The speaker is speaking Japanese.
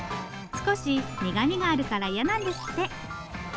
少し苦みがあるから嫌なんですって。